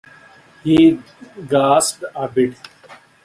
He gasped a bit.